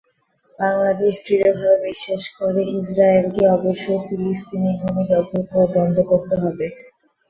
বাংলাদেশ দৃঢ়ভাবে বিশ্বাস করে, ইসরায়েলকে অবশ্যই ফিলিস্তিনি ভূমি দখল বন্ধ করতে হবে।